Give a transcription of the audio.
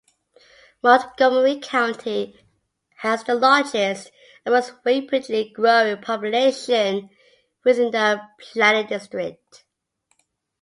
Montgomery County has the largest and most rapidly growing population within the Planning District.